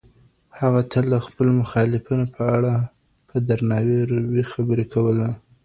هغه تل د خپلو مخالفینو په اړه په درناوي خبرې کولې.